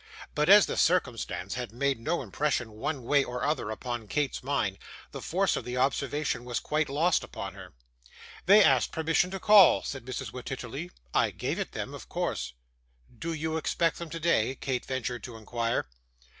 But as the circumstance had made no impression one way or other upon Kate's mind, the force of the observation was quite lost upon her. 'They asked permission to call,' said Mrs. Wititterly. 'I gave it them of course.' 'Do you expect them today?' Kate ventured to inquire.